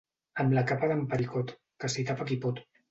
Amb la capa d'en Pericot, que s'hi tapa qui pot.